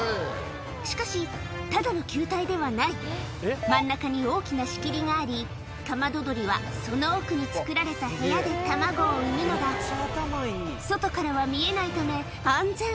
しかしただの球体ではない真ん中に大きな仕切りがありカマドドリはその奥に作られた部屋で卵を産むのだ外からは見えないため安全